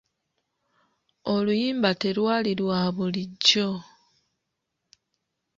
Oluyimba telwali lwa bulijjo.